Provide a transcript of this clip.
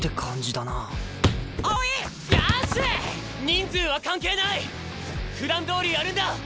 人数は関係ない！ふだんどおりやるんだ！